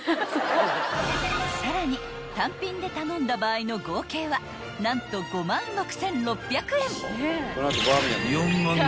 ［さらに単品で頼んだ場合の合計は何と５万６，６００円］